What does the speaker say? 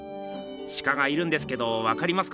シカがいるんですけどわかりますか？